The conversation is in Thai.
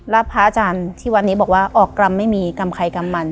แล้วพระอาจารย์ที่วัดนี้บอกว่าออกกรรมไม่มีกรรมใครกำมัน